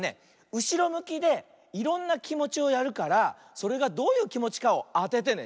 うしろむきでいろんなきもちをやるからそれがどういうきもちかをあててね。